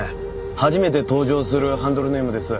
初めて登場するハンドルネームです。